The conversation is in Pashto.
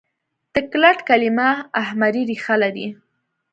د ګلټ کلیمه اهمري ریښه لري.